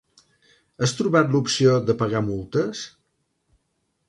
Has trobat l'opció de pagar multes?